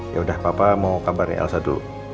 yaudah papa mau kabarnya elsa dulu